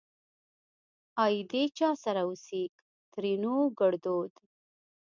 آئيدې چا سره اوسيږ؛ ترينو ګړدود